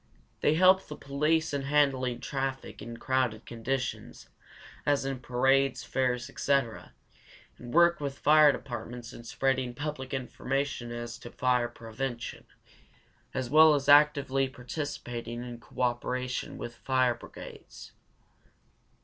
They help the police in handling traffic in crowded conditions, as in parades, fairs, etc., and work with fire departments in spreading public information as to fire prevention, as well as actively participating in cooperation with fire brigades.